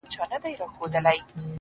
تا خو د خپل وجود زکات کله هم ونه ايستی!!